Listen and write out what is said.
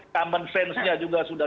common sense nya juga sudah